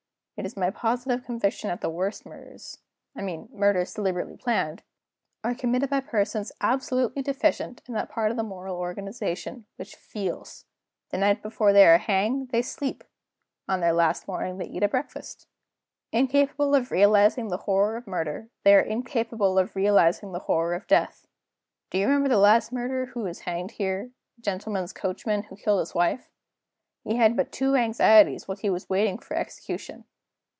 It is my positive conviction that the worst murders I mean murders deliberately planned are committed by persons absolutely deficient in that part of the moral organization which feels. The night before they are hanged they sleep. On their last morning they eat a breakfast. Incapable of realizing the horror of murder, they are incapable of realizing the horror of death. Do you remember the last murderer who was hanged here a gentleman's coachman who killed his wife? He had but two anxieties while he was waiting for execution.